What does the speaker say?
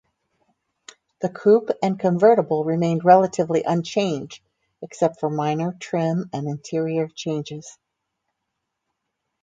The coupe and convertible remained relatively unchanged except for minor trim and interior changes.